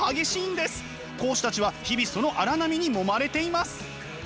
講師たちは日々その荒波にもまれています。